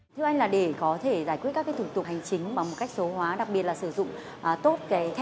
chúng ta vào đăng ký